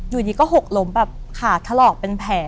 อยู่ดีก็หกล้มแบบขาถลอกเป็นแผล